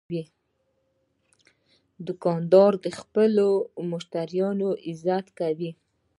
دوکاندار د خپلو مشتریانو عزت کوي.